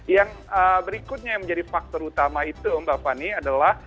yang berikutnya yang menjadi faktor utama itu mbak fani adalah